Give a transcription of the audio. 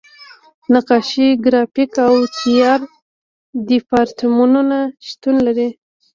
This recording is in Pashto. نقاشۍ، ګرافیک او تیاتر دیپارتمنټونه شتون لري.